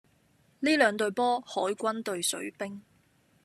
呢兩隊波海軍對水兵